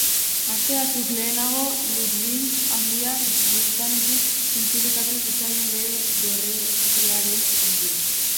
Aste batzuk lehenago Ludwig handia buztanetik zintzilikatu zitzaion bere gorreriaren kontura.